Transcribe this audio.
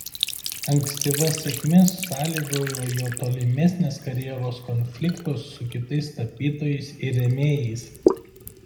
Ankstyva sėkmė sąlygojo jo tolimesnės karjeros konfliktus su kitais tapytojais ir rėmėjais.